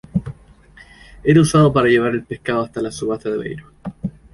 Era usado para llevar el pescado hasta la subasta de Aveiro.